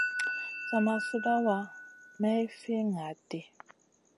Sa ma suɗawa may fi ŋaʼaɗ ɗi.